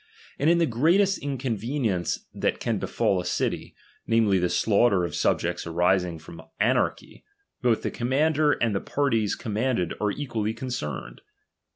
And in the greatest inconvenience that can befall a city, namely, the slaughter of subjects arising from an archy, both the commander and the parties com manded are equally concerned.